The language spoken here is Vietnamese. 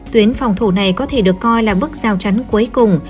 tuyến phòng thủ này có thể được coi là bước giao chắn cuối cùng